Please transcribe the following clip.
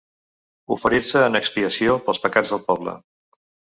Oferir-se en expiació pels pecats del poble.